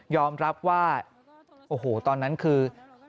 รับว่าโอ้โหตอนนั้นคือ